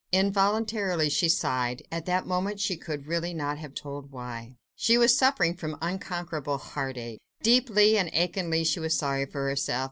Involuntarily she sighed—at that moment she could really not have told why. She was suffering from unconquerable heartache. Deeply and achingly she was sorry for herself.